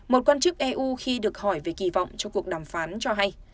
một quan chức eu khi được hỏi về kỳ vọng cho cuộc đàm phán cho hay